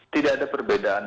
tidak ada perbedaan